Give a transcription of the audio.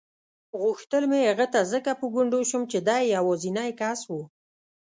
غوښتل مې هغه ته ځکه په ګونډو شم چې دی یوازینی کس و.